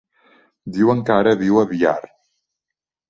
Diuen que ara viu a Biar.